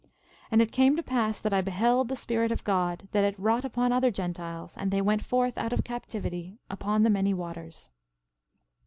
13:13 And it came to pass that I beheld the Spirit of God, that it wrought upon other Gentiles; and they went forth out of captivity, upon the many waters.